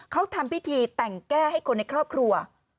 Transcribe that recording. เขาทำพิธีแต่งแก้ให้คนในครอบครัว